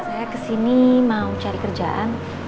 saya kesini mau cari kerjaan